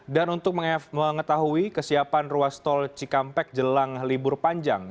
untuk mengetahui kesiapan ruas tol cikampek jelang libur panjang